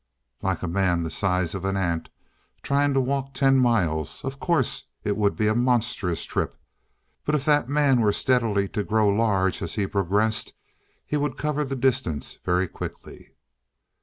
Like a man the size of an ant, trying to walk ten miles. Of course, it would be a monstrous trip. But if that man were steadily to grow larger, as he progressed he would cover the distance very quickly.